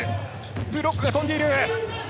ブロックが飛んでいる。